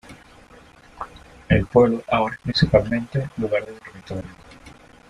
El pueblo ahora es principalmente lugar dormitorio.